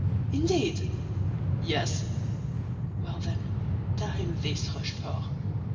"Indeed!" "Yes." "Well, then, tell him this, Rochefort.